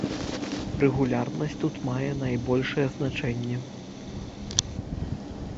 Рэгулярнасць тут мае найбольшае значэнне.